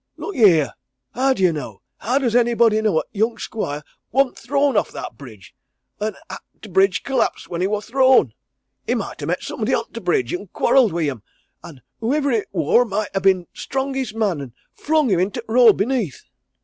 Look ye here! How do you know how does anybody know 'at t' young squire worn't thrown off that bridge, and 'at t' bridge collapsed when he wor thrown? He might ha' met somebody on t' bridge, and quarrelled wi' 'em, and whoivver it wor might ha' been t' strongest man, and flung him into t' road beneath!"